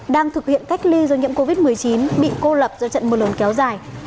đang thực hiện cách ly do nhiễm covid một mươi chín bị cô lập do trận mưa lớn kéo dài